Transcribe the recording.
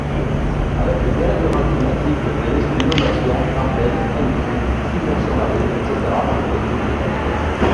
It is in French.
Avec le dérèglement climatique, les risques d'inondations, tempêtes, canicules, submersion marine, etc. pourraient évoluer.